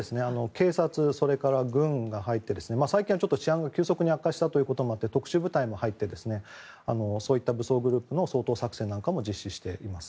警察、それから軍が入って最近は治安が急速に悪化したこともあって特殊部隊も入ってそういった武装グループの掃討作戦なども実施しています。